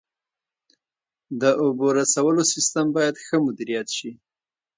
د اوبو رسولو سیستم باید ښه مدیریت شي.